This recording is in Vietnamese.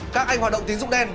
các anh hoạt động tính dụng đen